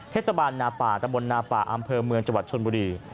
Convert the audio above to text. เทศบาลนาป่าตะบนนาป่าอำเภอเมืองจังหวัดชนบุรี